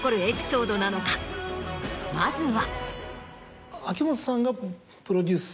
まずは。